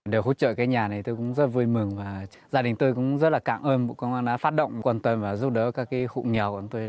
để hỗ trợ cái nhà này tôi cũng rất vui mừng và gia đình tôi cũng rất là cảm ơn bộ công an đã phát động quan tâm và giúp đỡ các hộ nghèo của tôi